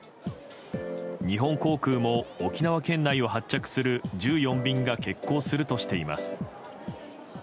日本航空も沖縄県内を発着する１４便が欠航するとしています。